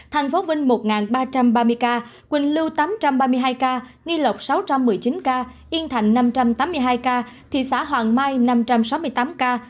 thành phố vinh một ba trăm ba mươi ca quỳnh lưu tám trăm ba mươi hai ca nghi lộc sáu trăm một mươi chín ca yên thành năm trăm tám mươi hai ca thị xã hoàng mai năm trăm sáu mươi tám ca